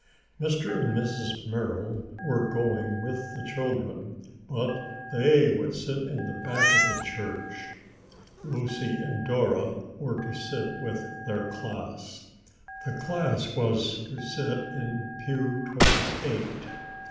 Mr. and Mrs. Merrill were going with the children, but they would sit in the back of the church. Lucy and Dora were to sit with their class. The class was to sit in pew twenty eight.